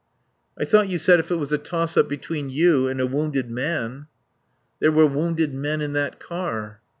"I thought you said if it was a toss up between you and a wounded man ? There were wounded men in that car."